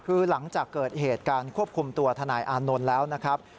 คือหลังจากเกิดเหตุการณ์ควบคุมตัวทนายอานนท์แล้วนะครับ